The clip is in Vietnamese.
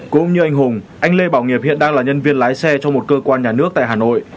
cũng như anh hùng anh lê bảo nghiệp hiện đang là nhân viên lái xe cho một cơ quan nhà nước tại hà nội